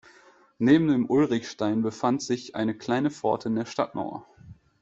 Neben dem Ulrichstein befand sich eine kleine Pforte in der Stadtmauer.